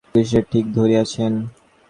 আপনি রামকৃষ্ণকে ঠিক ঠিক ধরিয়াছেন।